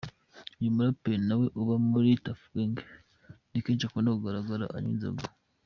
Uyu muraperi nawe uba muri Tuff Gang ni kenshi akunda kugaragara anywa inzoga.